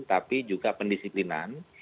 tapi juga pendisiplinan